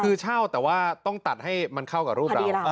คือเช่าแต่ว่าต้องตัดให้มันเข้ากับรูปเรา